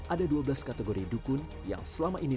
ada dua belas kategori dukun yang selama ini